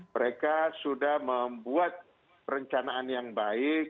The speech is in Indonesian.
mereka sudah membuat perencanaan yang baik